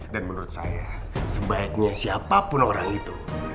dan menurut saya sebaiknya siapapun orang itu